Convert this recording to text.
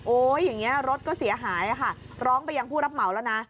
อย่างนี้รถก็เสียหายค่ะร้องไปยังผู้รับเหมาแล้วนะ